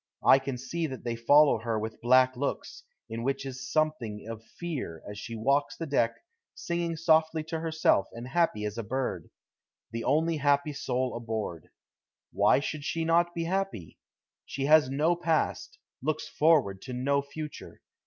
I can see that they follow her with black looks, in which is something of fear, as she walks the deck, singing softly to herself and happy as a bird the only happy soul aboard. Why should she not be happy? She has no past, looks forward to no future.